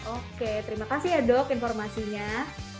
oke terima kasih ya dok informasinya